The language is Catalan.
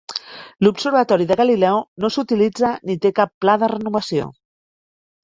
L'observatori de Galileu no s'utilitza ni té cap pla de renovació.